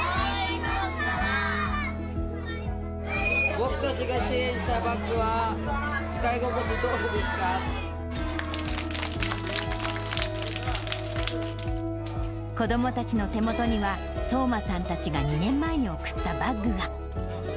僕たちが支援したバッグは、子どもたちの手元には、聡真さんたちが２年前に送ったバッグが。